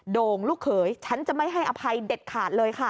โด่งลูกเขยฉันจะไม่ให้อภัยเด็ดขาดเลยค่ะ